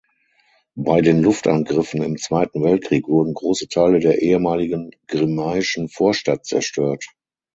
Bei den Luftangriffen im Zweiten Weltkrieg wurden große Teile der ehemaligen Grimmaischen Vorstadt zerstört.